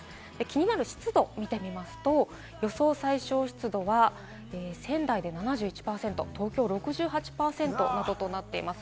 気になる湿度を見てみますと、予想最小湿度は仙台で７１％、東京６８％などとなっています。